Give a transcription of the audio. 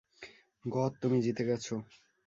গর, তুমি জিতে গেছ।